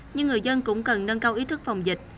nhưng người dân cũng cần nâng cao ý thức phòng dịch